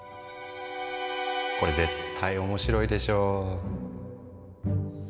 これ絶対面白いでしょ。